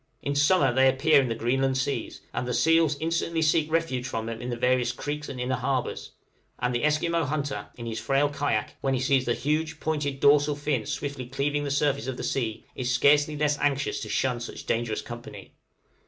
In summer they appear in the Greenland seas, and the seals instantly seek refuge from them in the various creeks and inner harbors; and the Esquimaux hunter in his frail kayak, when he sees the huge pointed dorsal fin swiftly cleaving the surface of the sea, is scarcely less anxious to shun such dangerous company.